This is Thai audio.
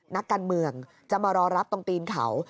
นักการเมืองจะมารอรับตรงตีนเขา